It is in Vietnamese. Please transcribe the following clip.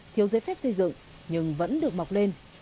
thiếu giấy phép xây dựng nhưng vẫn được mọc lên